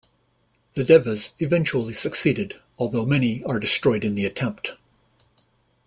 The Devas eventually succeed, although many are destroyed in the attempt.